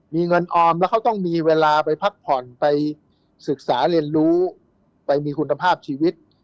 มีเงินออมแล้วเขาต้องมีเวลาไปพักผ่อนไปศึกษาเรียนรู้ไปมีคุณภาพชีวิต